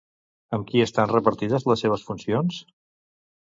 Amb qui estan repartides les seves funcions?